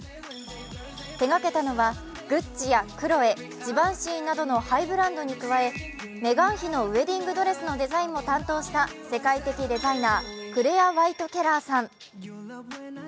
手がけたのはグッチやクロエ、ジバンシィなどのハイブランドに加えメガン妃のウエディングドレスのデザインも担当した世界的デザイナークレア・ワイト・ケラーさん。